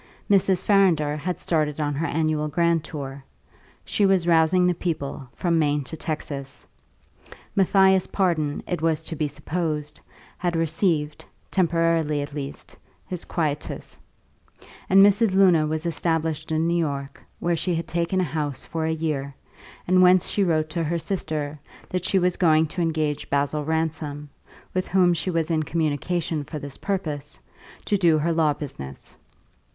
Mrs. Farrinder had started on her annual grand tour; she was rousing the people, from Maine to Texas; Matthias Pardon (it was to be supposed) had received, temporarily at least, his quietus; and Mrs. Luna was established in New York, where she had taken a house for a year, and whence she wrote to her sister that she was going to engage Basil Ransom (with whom she was in communication for this purpose) to do her law business.